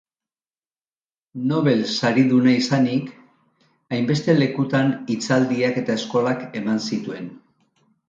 Nobel Sariduna izanik hainbeste lekutan hitzaldiak eta eskolak eman zituen.